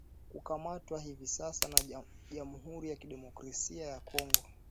kukamatwa hivi sasa na Jamhuri ya Kidemokrasi ya Kongo